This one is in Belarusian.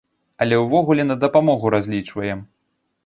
Але ўвогуле на дапамогу разлічваем.